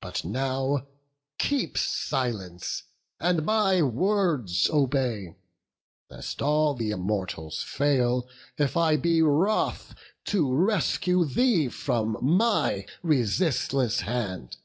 But now, keep silence, and my words obey, Lest all th' Immortals fail, if I be wroth, To rescue thee from my resistless hand."